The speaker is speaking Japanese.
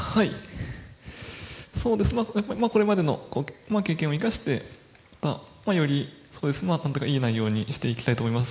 これまでの経験を生かしてよりいい内容にしていきたいと思います。